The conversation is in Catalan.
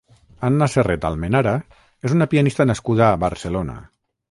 Anna Serret Almenara és una pianista nascuda a Barcelona.